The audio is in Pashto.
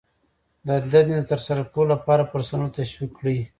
د دندې د ترسره کولو لپاره پرسونل تشویق کړئ.